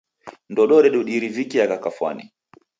Ndodo redu dirivikiagha kafwane.